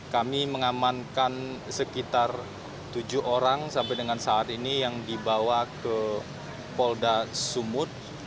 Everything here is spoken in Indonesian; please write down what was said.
kami mengamankan sekitar tujuh orang sampai dengan saat ini yang dibawa ke polda sumut